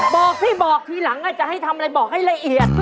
บอกสิบอกทีหลังจะให้ทำอะไรบอกให้ละเอียด